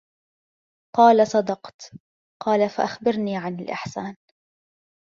قالَ: صَدَقْتَ. قالَ: فَأَخْبِرْني عَنِ الإحسانِ؟